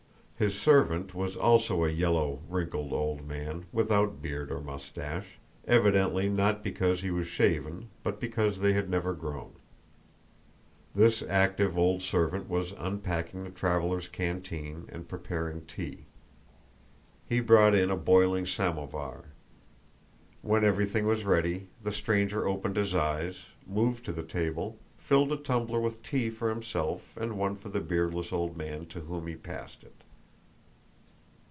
His servant was also a yellow, wrinkled old man, without beard or mustache, evidently not because he was shaven but because they had never grown. This active old servant was unpacking the traveler's canteen and preparing tea. He brought in a boiling samovar. When everything was ready, the stranger opened his eyes, moved to the table, filled a tumbler with tea for himself and one for the beardless old man to whom he passed it.